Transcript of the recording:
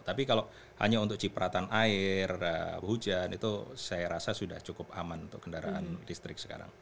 tapi kalau hanya untuk cipratan air hujan itu saya rasa sudah cukup aman untuk kendaraan listrik sekarang